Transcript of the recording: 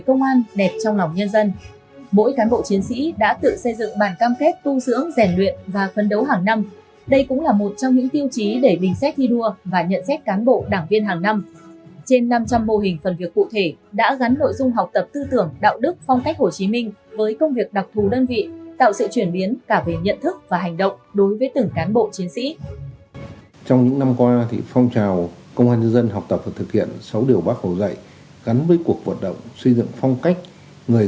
cụ thể hóa chỉ thị năm của bộ công an nhân dân học tập thực hiện sáu điều bác hồi dạy trong tình hình mới nâng cao chất lượng phong trào công an nhân dân học tập thực hiện sáu điều bác hồi dạy trong tình hình mới